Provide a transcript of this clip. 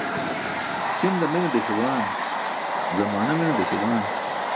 Si̇nda mene deśabaan, zamaana mene désabaan.